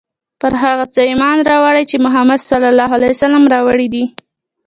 پر هغه څه ایمان راوړی چې محمد ص راوړي دي.